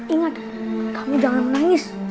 ingat kamu jangan menangis